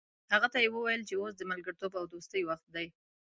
هغه ته یې وویل چې اوس د ملګرتوب او دوستۍ وخت دی.